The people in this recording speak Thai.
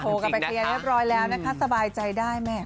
กลับไปเคลียร์เรียบร้อยแล้วนะคะสบายใจได้แม่